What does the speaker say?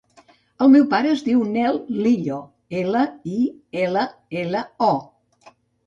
El meu pare es diu Nel Lillo: ela, i, ela, ela, o.